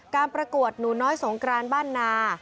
ประกวดหนูน้อยสงกรานบ้านนา